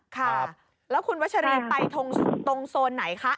ค่ะแล้วคุณวัชรีไปตรงโซนไหนคะ